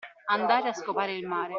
Andare a scopare il mare.